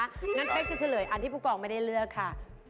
งั้นเป๊กจะเฉลยอันที่ผู้กองไม่ได้เลือกค่ะ